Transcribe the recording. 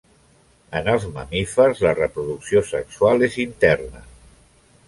En els mamífers la reproducció sexual és interna.